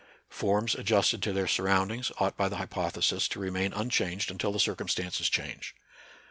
Forms adjusted to their surroundings ought by the hypothesis to remain unchanged until the circumstances change.